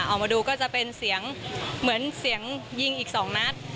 ออกมาดูก็จะเป็นเสียงเหมือนเสียงยิงอีก๒นัด